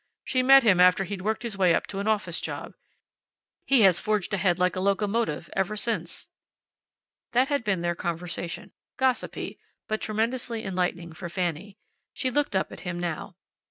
She met him after he'd worked his way up to an office job. He has forged ahead like a locomotive ever since." That had been their conversation, gossipy, but tremendously enlightening for Fanny. She looked up at him now.